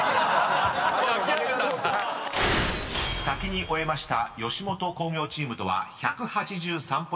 ［先に終えました吉本興業チームとは１８３ポイント差］